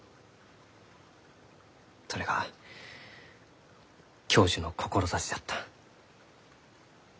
それが教授の志じゃった。